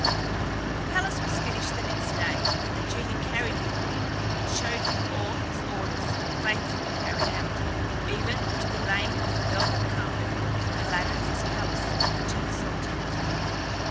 The palace was finished the next day, and the genie carried him there and showed him all his orders faithfully carried out, even to the laying of a velvet carpet from Aladdin's palace to the Sultan's.